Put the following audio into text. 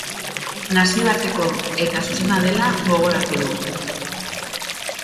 Nazioarteko eta zuzena dela gogoratu du.